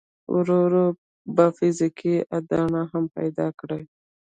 ورو ورو به فزيکي اډانه هم پيدا کړي.